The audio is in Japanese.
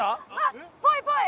っぽいっぽい！